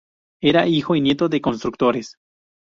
Era hijo y nieto de constructores.